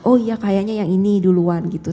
oh iya kayaknya yang ini duluan gitu